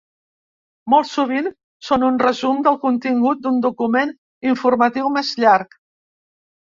Molt sovint són un resum del contingut d'un document informatiu més llarg.